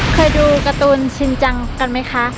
เคยดูการ์ตูนชินจังกันไหมคะ